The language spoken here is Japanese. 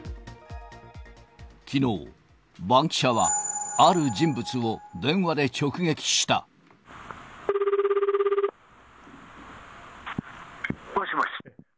きのう、バンキシャはある人物を電話で直撃した。もしもし？